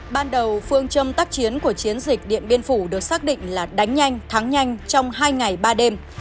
ban đầu phương châm tác chiến của chiến dịch điện biên phủ được xác định là đánh nhanh thắng nhanh trong hai ngày ba đêm